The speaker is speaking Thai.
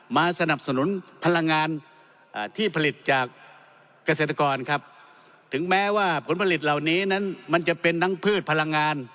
มาสนับสนุนพลังงานที่ผลิตจากเกษตรกรครับถึงแม้ว่าผลผลิตเหล่านี้นั้นมันจะเป็นทั้งพืชพลังงาน